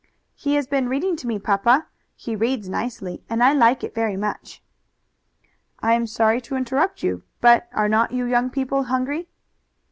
"He has been reading to me, papa. He reads nicely and I liked it very much." "I am sorry to interrupt you, but are not you young people hungry?"